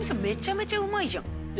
めちゃめちゃうまいじゃん。